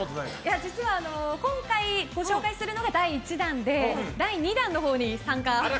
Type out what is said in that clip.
実は今回ご紹介するのが第１弾で第２弾のほうに参加。